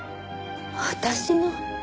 私の？